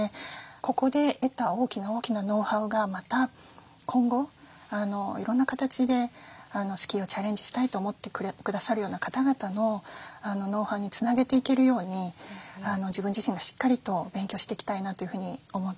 ここで得た大きな大きなノウハウがまた今後いろんな形でスキーをチャレンジしたいと思ってくださるような方々のノウハウにつなげていけるように自分自身がしっかりと勉強していきたいなというふうに思っています。